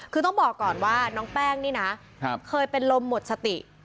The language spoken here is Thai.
คือต้องบอกก่อนว่าน้องแป้งนี่นะเคยเป็นลมหมดสติ